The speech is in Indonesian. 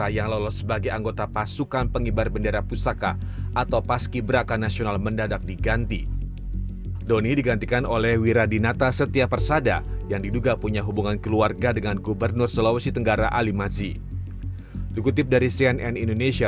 yang telah dilaksanakan selama tiga hari